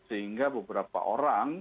sehingga beberapa orang